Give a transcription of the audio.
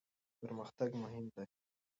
پرمختګ مهم دی.